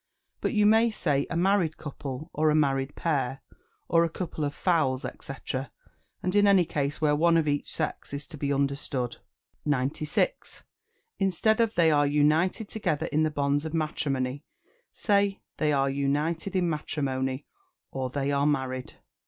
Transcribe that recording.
But you may say "A married couple," or, "A married pair," or, "A couple of fowls," &c., in any case where one of each sex is to be understood. 96. Instead of "They are united together in the bonds of matrimony," say "They are united in matrimony," or, "They are married."